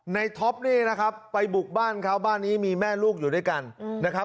ท็อปนี่นะครับไปบุกบ้านเขาบ้านนี้มีแม่ลูกอยู่ด้วยกันนะครับ